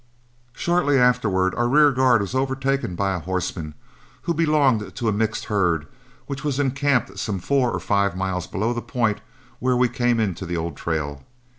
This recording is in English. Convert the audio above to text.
Shortly afterward our rear guard was overtaken by a horseman who belonged to a mixed herd which was encamped some four or five miles below the point where we came into the old trail.